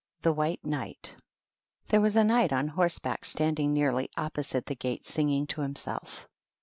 THE WHITE KNIGHT. There was a knight on horseback standing nearly opposite the gate singing to himself.